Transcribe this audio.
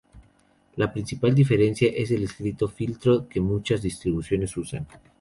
La principal diferencia es el estricto filtro que muchas distribuciones usan.